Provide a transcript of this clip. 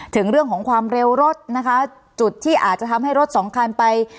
ถึงเรื่องของความเร็วรถนะคะจุดที่อาจจะทำให้รถสองคันไป